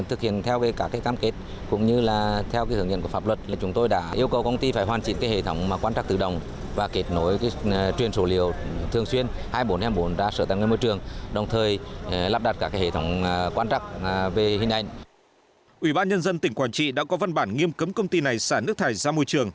ủy ban nhân dân tỉnh quảng trị đã có văn bản nghiêm cấm công ty này xả nước thải ra môi trường